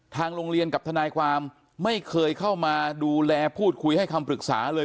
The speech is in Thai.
ทางโรงเรียนกับทนายความไม่เคยเข้ามาดูแลพูดคุยให้คำปรึกษาเลย